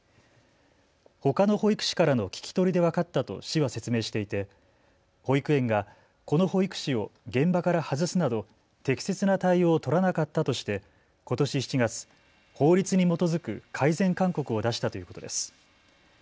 ほかの保育士からの聞き取りで分かったと市は説明していて保育園がこの保育士を現場から外すなど適切な対応を取らなかったとしてことし７月、法律に基づく改善勧告を出したということです。